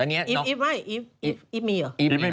อีฟมีเหรอ